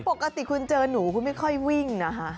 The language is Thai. ปกติคุณเจอหนูคุณไม่ค่อยวิ่งนะคะ